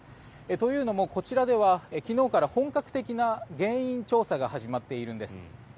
というのも、こちらでは昨日から本格的な原因調査が始まっているんです。